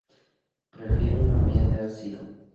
Prefiere un ambiente ácido.